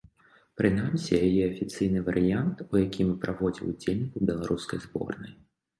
Прынамсі, яе афіцыйны варыянт, у якім і праводзіў удзельнікаў беларускай зборнай.